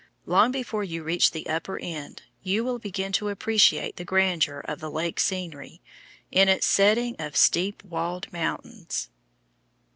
Long before you reach the upper end you will begin to appreciate the grandeur of the lake scenery in its setting of steep walled mountains.